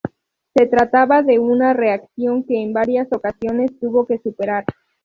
Se trataba de una reacción que en varias ocasiones tuvo que superar.